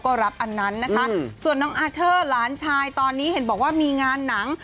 มีโอกาสก็ยังอยากจะเจอทุกคนอยู่ครับ